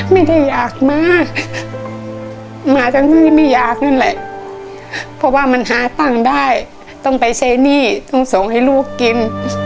ไม่ได้อยากมามาทั้งที่ไม่อยากนั่นแหละเพราะว่ามันหาตังค์ได้ต้องไปใช้หนี้ต้องส่งให้ลูกกิน